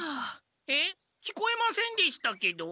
えっ聞こえませんでしたけど？